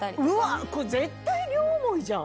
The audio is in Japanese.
絶対両思いじゃん！